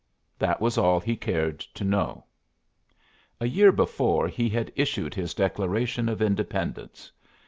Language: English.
That was all he cared to know. A year before he had issued his declaration of independence.